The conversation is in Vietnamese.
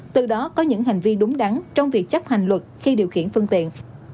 từ đó có những hành vi đúng đắn trong việc chấp hành luật khi điều khiển phương tiện